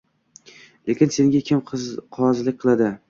Lekin senga kim qozilik qiladi.